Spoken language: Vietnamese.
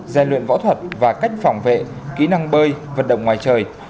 gian luyện võ thuật và cách phòng vệ kỹ năng bơi vận động ngoài trời